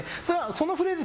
そのフレーズ